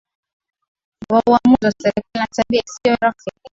wa uamuzi wa serikali na tabia isiyo ya urafiki